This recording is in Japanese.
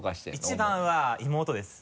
一番は妹です。